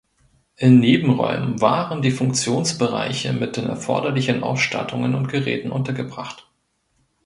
In Nebenräumen waren die Funktionsbereiche mit den erforderlichen Ausstattungen und Geräten untergebracht.